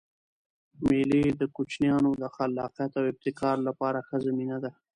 مېلې د کوچنيانو د خلاقیت او ابتکار له پاره ښه زمینه ده.